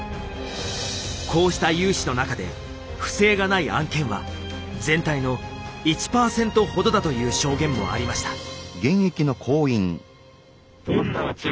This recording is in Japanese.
こうした融資の中で不正がない案件は全体の１％ほどだという証言もありました。